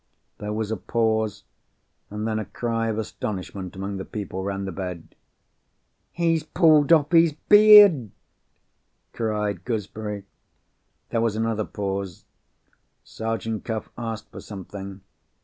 There was a pause—and then a cry of astonishment among the people round the bed. "He's pulled off his beard!" cried Gooseberry. There was another pause—Sergeant Cuff asked for something.